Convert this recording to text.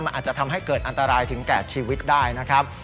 มันอาจจะทำให้เกิดอันตรายถึงแก่ชีวิตได้นะครับ